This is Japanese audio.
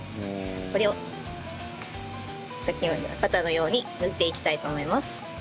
これをさっきのバターのように塗っていきたいと思います。